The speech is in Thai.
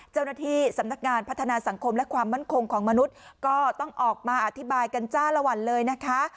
เจ้าหน้าที่สำนักงานพัฒนาสังคมและความมั่นคงของมนุษย์ก็ต้องออกมาอธิบายกันจ้าละวันเลยนะคะ